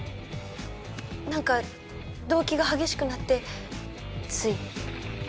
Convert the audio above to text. なんか動悸が激しくなってつい。